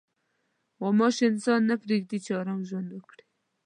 غوماشې انسان نه پرېږدي چې ارام ژوند وکړي.